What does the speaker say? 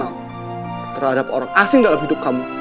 kamu terhadap orang asing dalam hidup kamu